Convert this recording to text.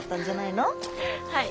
はい。